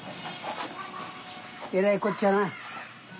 えらいこっちゃな。